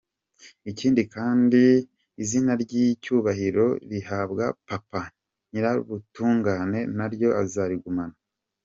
Ikindi kandi izina ry’icyubahiro rihabwa Papa, Nyirubutungane, naryo azarigumana.